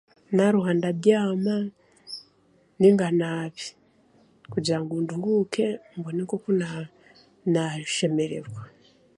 Naaruha ndabyama nainga naabe kugira ngu nduhuuke nainga mbone okuna naashemererwa